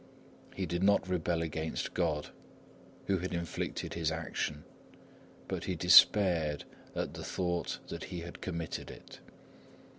He did not rebel against God, who had inflicted his action, but he despaired at the thought that he had committed it.